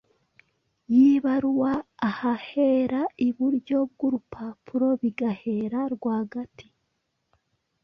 yibaruwa ahahera iburyo bw’urupapuro bigahera rwagati.